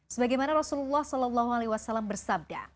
sebagaimana rasulullah saw bersabda